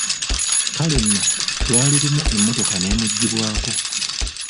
Kale nno lwali lumu emmotoka neemuggibwako.